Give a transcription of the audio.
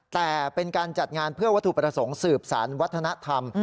แต่เป็นการจัดงานเพื่อวัตถุประสงค์สืบสารวัฒนธรรม